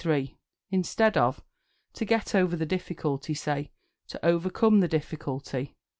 Instead of "To get over the difficulty," say "To overcome the difficulty."